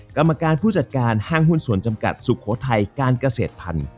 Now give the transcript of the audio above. กรรมการผู้จัดการห้างหุ้นส่วนจำกัดสุโขทัยการเกษตรพันธุ